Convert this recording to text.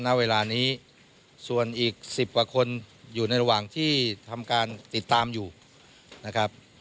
ณเวลานี้ส่วนอีก๑๐กว่าคนอยู่ในระหว่างที่ทำการติดตามอยู่นะครับ